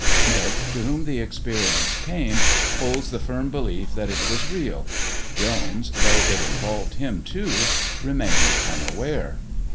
Smith, to whom the experience came, holds the firm belief that it was real. Jones, though it involved him too, remained unaware.